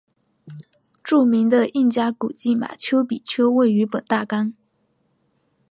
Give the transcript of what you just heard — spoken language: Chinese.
著名的印加古迹马丘比丘位于本大区。